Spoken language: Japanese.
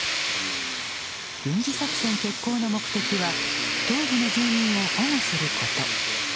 軍事作戦決行の目的は東部の住民を保護すること。